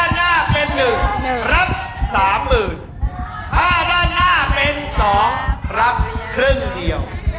ไม่คนตื่นไม่ต้องอะไร